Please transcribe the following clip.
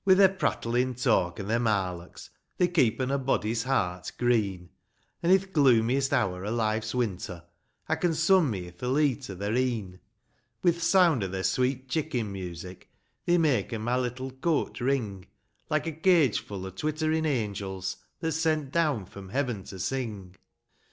Wi' their prattlin' talk an' their marlocks , They keepen a body's heart green ; An' i'th gloomiest hour o' life's winter I can sun me i'th leet o' their e'en : Wi' th' sound o' their sweet chicken music They maken my httle cote ring, Like a cagefull o' twitterin' angels That's sent down from heaven to sing